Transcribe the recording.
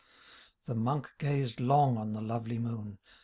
The Monk gazed long on the lovely moon.